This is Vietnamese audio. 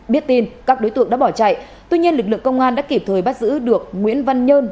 biết tin các đối tượng đã bỏ chạy tuy nhiên lực lượng công an đã kịp thời bắt giữ được nguyễn văn nhơn